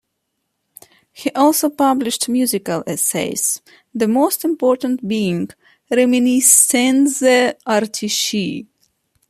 He also published musical essays, the most important being "Reminiscenze artistiche".